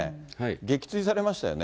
撃墜されましたよね。